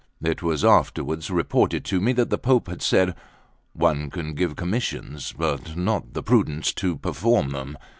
It was afterwards reported to me that the Pope has said: "One can give commissions, but not the prudence to perform them.